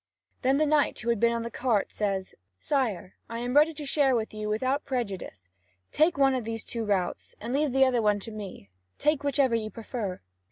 Then the knight, who had been on the cart, says: "Sire, I am ready to share with you without prejudice: take one of these two routes, and leave the other one to me; take whichever you prefer."